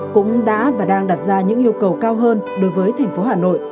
cũng đã và đang đặt ra những yêu cầu cao hơn đối với thành phố hà nội